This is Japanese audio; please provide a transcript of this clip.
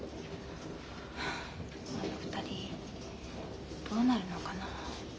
あの２人どうなるのかな。